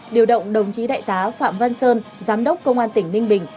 điều động đồng chí đại tá phạm văn sơn giám đốc công an tỉnh ninh bình